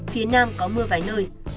phía nam có mưa vài nơi